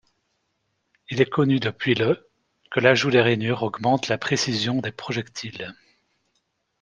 Il est connu depuis le que l'ajout des rainures augmente la précision des projectiles.